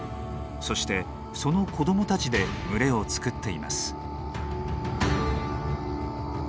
そしてその子どもたちで群れを作っています。